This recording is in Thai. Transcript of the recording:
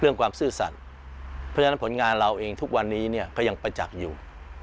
ความซื่อสัตว์เพราะฉะนั้นผลงานเราเองทุกวันนี้เนี่ยก็ยังประจักษ์อยู่